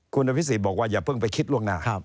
คุณอภิษฎบอกว่าอย่าเพิ่งไปคิดล่วงหน้า